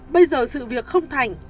bây giờ sự việc không thành